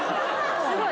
すごい。